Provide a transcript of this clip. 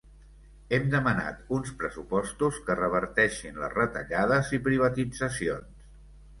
Hem demanat uns pressupostos que reverteixin les retallades i privatitzacions.